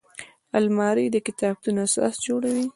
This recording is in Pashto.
الماري د کتابتون اساس جوړوي